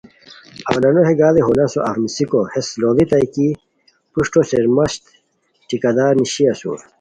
اوّلانو ہے گاڑی ہو نسو اف نیسیکو ہیس لوڑیتائے کی ہے پروشٹو شیرمست ٹھیکہ دار نیشی اسور